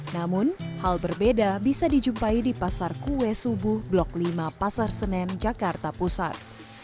namun hal berbeda bisa dijumpai di pasar kue subuh blok lima pasar senen jakarta pusat